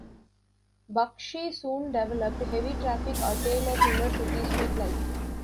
Bakshi soon developed "Heavy Traffic", a tale of inner-city street life.